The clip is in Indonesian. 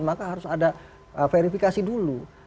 maka harus ada verifikasi dulu